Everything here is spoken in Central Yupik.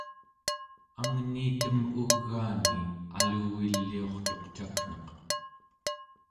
angniitem ugaani aluviliurtuq cakneq